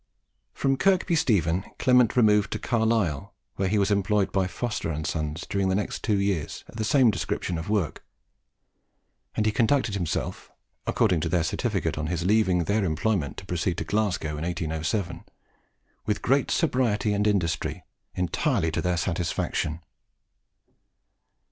From Kirby Stephen Clement removed to Carlisle, where he was employed by Forster and Sons during the next two years at the same description of work; and he conducted himself, according; to their certificate on his leaving their employment to proceed to Glasgow in 1807, "with great sobriety and industry, entirely to their satisfaction."